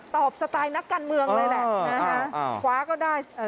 ตอบสไตล์นักการเมืองเลยแหละ